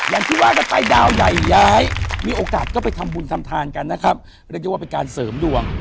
อย่างที่ว่ากันไปดาวใหญ่ย้ายมีโอกาสก็ไปทำบุญทำทานกันนะครับเรียกได้ว่าเป็นการเสริมดวง